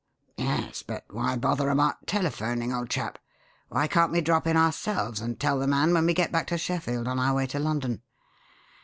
"Yes, but why bother about telephoning, old chap? Why can't we drop in ourselves and tell the man when we get back to Sheffield on our way to London?"